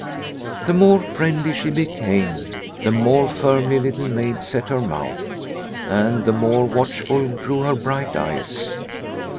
The more friendly she became, the more firmly Little Maid set her mouth, and the more watch ful grew her bright eyes.